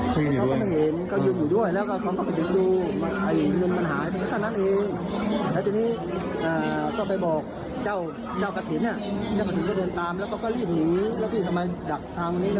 พี่เขาก็ไม่เห็นเขายืนอยู่ด้วยแล้วก็เขาก็ไปดู